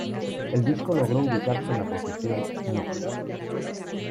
El disco logró ubicarse en la posición No.